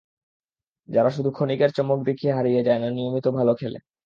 যারা শুধু ক্ষণিকের চমক দেখিয়ে হারিয়ে যায় না, নিয়মিত ভালো খেলে।